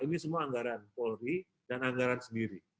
ini semua anggaran polri dan anggaran sendiri